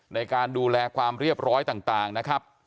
ในการดูแลความเรียบร้อยต่างนะครับ